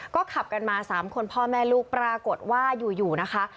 ก็ขับกันมา๓คนพ่อแม่ลูกปรากฏว่าอยู่นะคะ